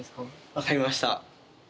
分かりました！